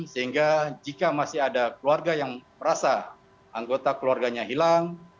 sehingga jika masih ada keluarga yang merasa anggota keluarganya hilang